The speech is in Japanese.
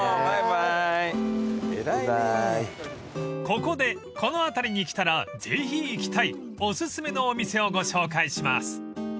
［ここでこの辺りに来たらぜひ行きたいおすすめのお店をご紹介します］